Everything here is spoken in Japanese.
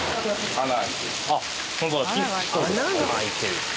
穴が開いてる？